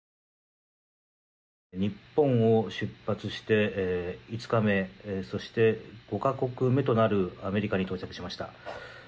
日本を出発して５日目そして５か国目となるアメリカに到着しました。